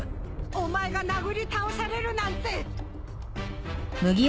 お前が殴り倒されるなんて！